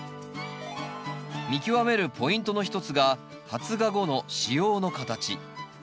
見極めるポイントの一つが発芽後の子葉の形。